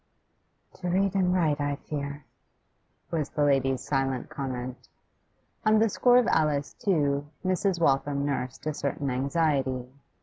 'To read and write, I fear,' was the lady's silent comment. On the score of Alice, too, Mrs. Waltham nursed a certain anxiety.